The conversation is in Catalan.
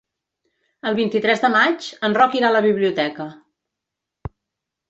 El vint-i-tres de maig en Roc irà a la biblioteca.